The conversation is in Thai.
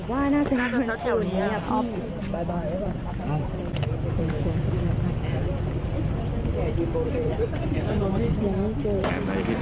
คือว่าน่าจะเห็นแบบนี้ครับ